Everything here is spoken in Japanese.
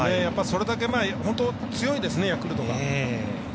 それだけ強いですね、ヤクルトが。